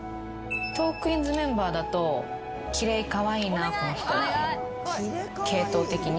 トークィーンズメンバーだとキレイカワイイなこの人系統的に。